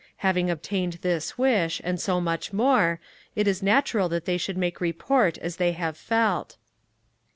Having obtained this wish, and so much more, it is natural that they should make report as they have felt.